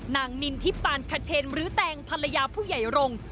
นินทิปานคเชนหรือแตงภรรยาผู้ใหญ่รงค์